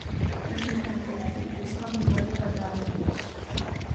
მეფესთან კონფლიქტის გამო მალე გადააყენეს.